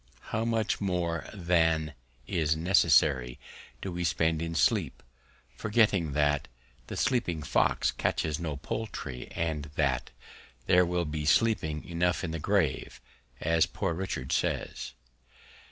How much more than is necessary do we spend in sleep, forgetting that The sleeping Fox catches no Poultry, and that There will be sleeping enough in the Grave, as Poor Richard says.